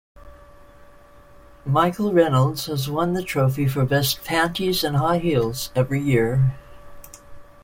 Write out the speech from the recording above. Michael Reynolds has won the trophy for best panties and high heels every year.